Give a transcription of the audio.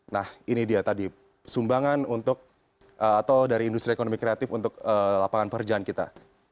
nah ini dia tadi sumbangan untuk atau dari industri ekonomi kreatif untuk lapangan pekerjaan kita